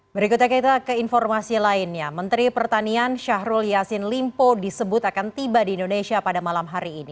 berikutnya kita ke informasi lainnya menteri pertanian syahrul yassin limpo disebut akan tiba di indonesia pada malam hari ini